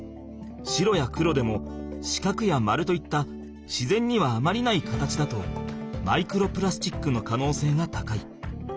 白や黒でも四角や丸といった自然にはあまりない形だとマイクロプラスチックの可能性が高い。